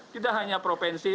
kita hanya provinsi